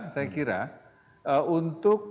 saya kira untuk